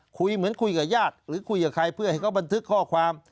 คุยเหมือนคุยกับญาติหรือคุยกับใครเพื่อให้เขาบันทึกข้อความ